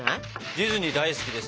ディズニー大好きですね。